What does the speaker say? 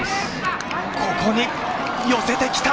でも、ここに寄せてきた！